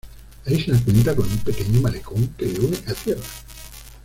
La isla cuenta con un pequeño malecón que la une a tierra.